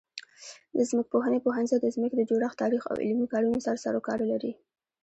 د ځمکپوهنې پوهنځی د ځمکې د جوړښت، تاریخ او عملي کارونو سره سروکار لري.